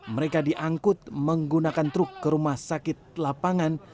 mereka diangkut menggunakan truk ke rumah sakit lapangan